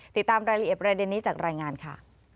ติดตามรายละเอียดประเด็นนี้จากรายงานค่ะ